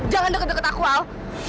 jangan deket deket aku al